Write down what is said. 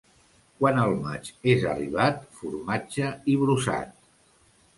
Quan el maig és arribat, formatge i brossat.